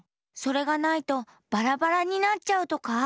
それがないとバラバラになっちゃうとか？